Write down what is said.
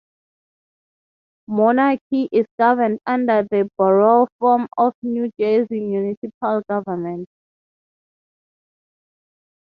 Moonachie is governed under the Borough form of New Jersey municipal government.